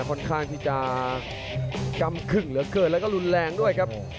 ค่อนข้างที่จะกำขึ่งเหลือเกินแล้วก็รุนแรงด้วยครับ